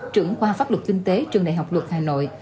trưởng khoa pháp luật kinh tế trường đại học luật hà nội